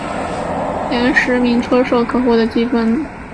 前十名车手可获得积分。